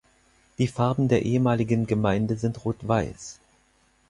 Die Farben der ehemaligen Gemeinde sind Rot-Weiß.